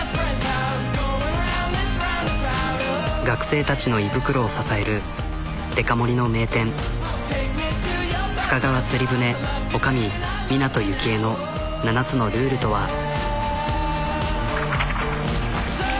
学生たちの胃袋を支えるデカ盛りの名店深川つり舟女将湊由紀江の７つのルールとは？